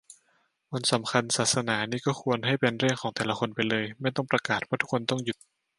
วันสำคัญศาสนานี่ก็ควรให้เป็นเรื่องของแต่ละคนไปเลย ไม่ต้องประกาศว่าทุกคนต้องหยุด